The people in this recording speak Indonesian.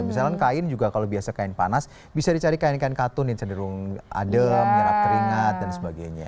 misalkan kain juga kalau biasa kain panas bisa dicari kain kain katun yang cenderung adem menyerap keringat dan sebagainya